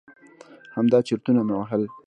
همدا چرتونه مې وهل.